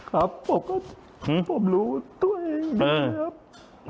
ครับผมรู้ตัวเองดีนะครับ